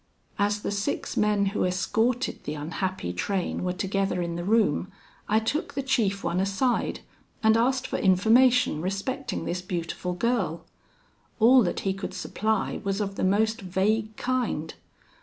As the six men who escorted the unhappy train were together in the room, I took the chief one aside and asked for information respecting this beautiful girl. All that he could supply was of the most vague kind.